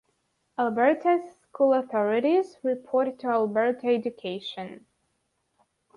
Alberta's school authorities report to Alberta Education.